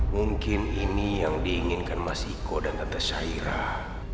mungkin ini yang diinginkan mas iko dan tante syairah